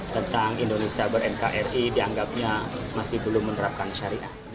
tentang indonesia ber nkri dianggapnya masih belum menerapkan syariah